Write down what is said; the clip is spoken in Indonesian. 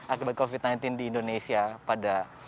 akibat covid sembilan belas di indonesia pada